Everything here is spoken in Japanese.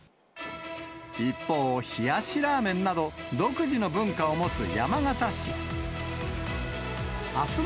一方、冷やしラーメンなど、独自の文化を持つ山形市。